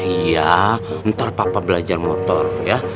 iya ntar papa belajar motor ya